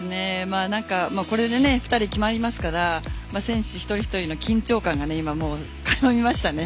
これで２人決まりますから選手一人一人の緊張感が垣間見えましたね。